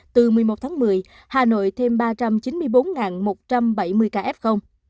từ một mươi một tháng một mươi hà nội thêm ba trăm chín mươi bốn một trăm bảy mươi ca f